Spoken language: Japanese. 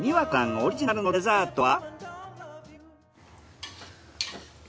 オリジナルのデザートは。